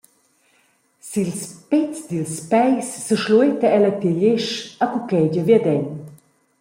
Sils pézs dils peis seschlueta ella tier igl esch e cuchegia viaden.